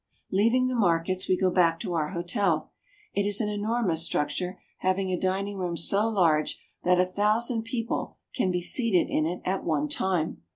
Leaving the markets, we go back to our hotel. It is an enormous structure, having a dining room so large that a thousand people can be seated in it at one time.